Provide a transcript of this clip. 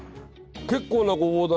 結構なごぼうだね。